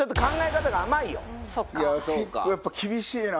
やっぱ厳しいな。